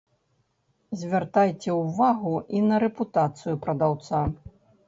Звяртайце ўвагу і на рэпутацыю прадаўца.